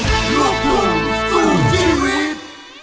ลูกทุ่งสู้ชีวิต